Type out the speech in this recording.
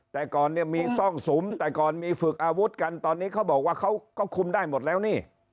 แต่ก่อนเนี่ยมีซ่องสุมแต่ก่อนมีฝึกอาวุธกันตอนนี้เขาบอกว่าเขาก็คุมได้หมดแล้วนี่